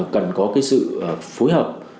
cần có cái sự phối hợp